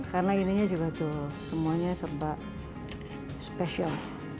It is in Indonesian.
karena ininya juga tuh semuanya seba special